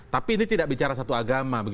tapi ini tidak bicara satu agama